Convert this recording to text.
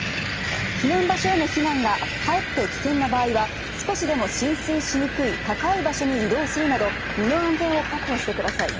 避難場所への避難がかえって危険な場合は、少しでも浸水しにくい高い場所に移動するなど、身の安全を確保してください。